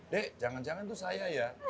dek jangan jangan itu saya ya